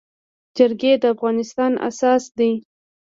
جرګي د افغانستان اساس دی.